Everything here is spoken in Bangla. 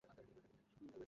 তোমার নিজের একটা জীবন আছে।